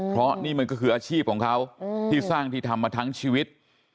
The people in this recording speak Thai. เพราะนี่มันก็คืออาชีพของเขาที่สร้างที่ทำมาทั้งชีวิต